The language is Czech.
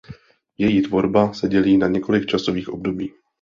Její tvorba se dělí na několik časových období.